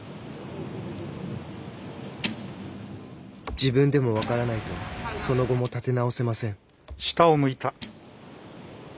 自分でも分からないとその後も立て直せません。